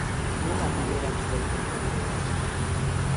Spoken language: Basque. Nola bideratu daiteke egoera?